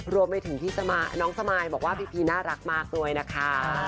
รวมไปถึงพี่น้องสมายบอกว่าพี่พีน่ารักมากด้วยนะคะ